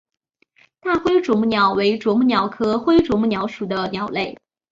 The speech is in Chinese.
大灰啄木鸟为啄木鸟科灰啄木鸟属的鸟类。